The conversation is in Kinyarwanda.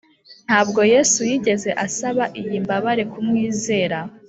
Ntabwo Yesu yigeze asaba iyi mbabare kumwizera.